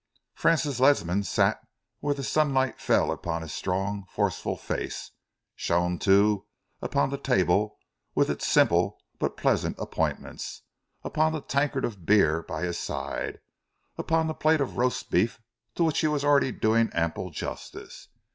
Francis Ledsam sat where the sunlight fell upon his strong, forceful face, shone, too, upon the table with its simple but pleasant appointments, upon the tankard of beer by his side, upon the plate of roast beef to which he was already doing ample justice.